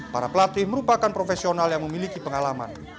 para pelatih merupakan profesional yang memiliki pengalaman